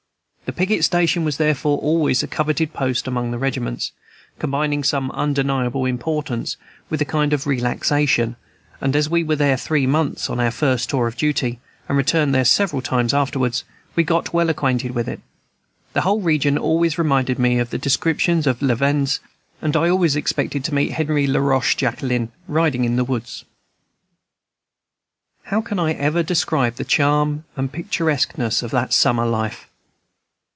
The picket station was therefore always a coveted post among the regiments, combining some undeniable importance with a kind of relaxation; and as we were there three months on our first tour of duty, and returned there several times afterwards, we got well acquainted with it. The whole region always reminded me of the descriptions of La Vende'e, and I always expected to meet Henri Larochejaquelein riding in the woods. How can I ever describe the charm and picturesqueness of that summer life?